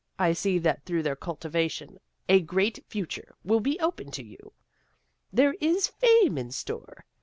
I see that through their cultivation a great future will be open to you. There is fame hi store.